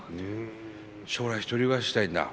将来１人暮らししたいんだ？